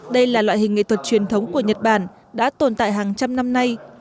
đây là loại hình nghệ thuật truyền thống của nhật bản đã tồn tại hàng trăm năm nay